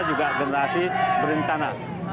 juga generasi berencana